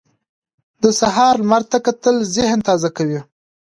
د سهار لمر ته کتل ذهن تازه کوي.